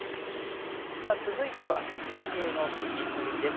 続いては、水泳の飛び込みです。